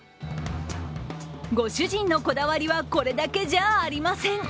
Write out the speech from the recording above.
ご主人のこだわりは、これだけじゃありません。